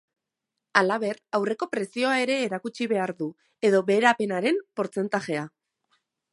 Halaber, aurreko prezioa ere erakutsi behar du, edo beherapenaren portzentajea.